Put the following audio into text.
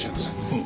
うん。